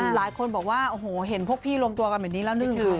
หลายคนบอกว่าโอ้โหเห็นพวกพี่รวมตัวกันเหมือนนี้แล้วหนึ่งค่ะ